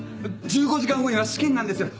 １５時間後には試験なんですよ